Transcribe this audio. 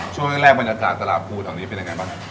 ช่วงที่แรกวัฒนาการศตราบูเป็นไงบ้าง